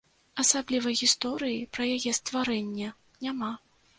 Асаблівай гісторыі пра яе стварэнне няма.